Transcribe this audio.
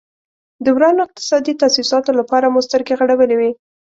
د ورانو اقتصادي تاسیساتو لپاره مو سترګې غړولې وې.